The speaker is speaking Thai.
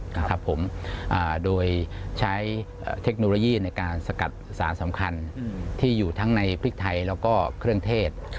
ครับผมโดยใช้เทคโนโลยีในการสกัดสารสำคัญที่อยู่ทั้งในพริกไทยแล้วก็เครื่องเทศ